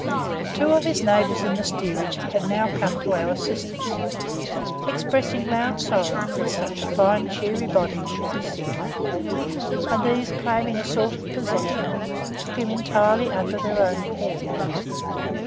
Two of his neighbours in the steerage had now come to our assistance, expressing loud sorrow that such 'a fine cheery body' should be sick; and these, claiming a sort of possession, took him entirely under their own care.